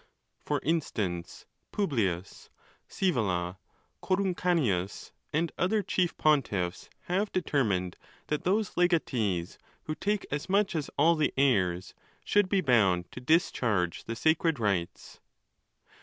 For instance, Publius Sceevola, Coruncanius, and other chief pontiffs, have deter mined that those legatees who take as much as all the heirs, should be bound to discharge the sacred rites.